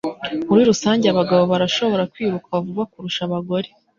Muri rusange abagabo barashobora kwiruka vuba kurusha abagore